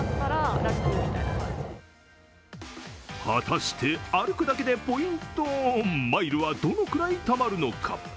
果たして、歩くだけでポイント、マイルはどのくらいたまるのか。